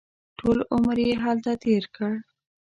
ټول عمر یې هلته تېر کړ.